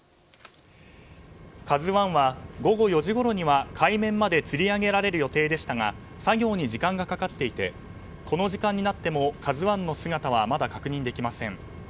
「ＫＡＺＵ１」は午後４時ごろには海面までつり上げられる予定でしたが作業に時間がかかっていてこの時間になっても「ＫＡＺＵ１」の姿はまだ確認できません。